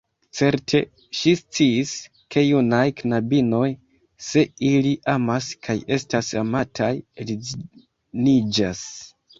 Certe, ŝi sciis; ke junaj knabinoj, se ili amas kaj estas amataj, edziniĝas.